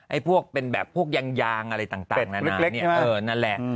ไอ้พวกเป็นแบบพวกยางอะไรต่างแบบเล็กนะนาแหล่ะ